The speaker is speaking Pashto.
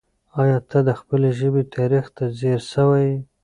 آیا ته د خپلې ژبې تاریخ ته ځیر سوی یې؟